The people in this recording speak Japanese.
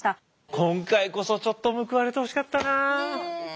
今回こそちょっと報われてほしかったな。